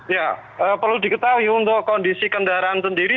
ya perlu diketahui untuk kondisi kendaraan sendiri